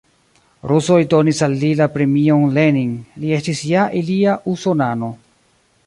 Rusoj donis al li la premion Lenin, li estis ja ilia usonano.